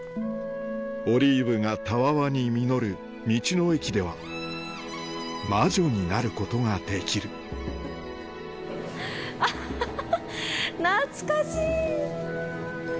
オリーブがたわわに実る道の駅では魔女になることができるアハハ！